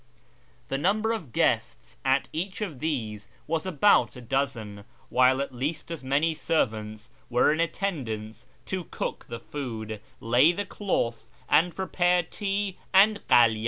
The number of guests at each of these was about a dozen, while at least as many servants were in attendance to cook the food, lay the cloth, and prepare tea and hcdydns.